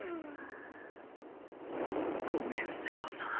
ごめん瀬川さん